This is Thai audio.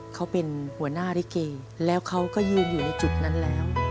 เขาเป็นหัวหน้าลิเกแล้วเขาก็ยืนอยู่ในจุดนั้นแล้ว